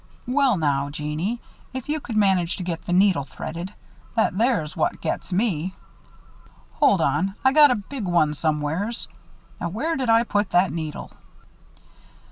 "Well now, Jeannie, if you could manage to get the needle threaded that there's what gets me. Hold on I got a big one, somewhere's now where did I put that needle!"